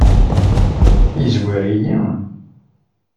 Yezwar-iyi?